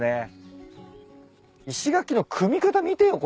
石垣の組み方見てよ